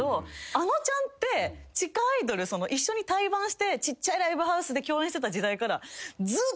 あのちゃんって地下アイドル一緒に対バンしてちっちゃいライブハウスで共演してた時代から。